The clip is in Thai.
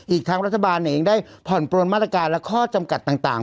อีกทั้งรัฐบาลเองได้ผ่อนปลนมาตรการและข้อจำกัดต่าง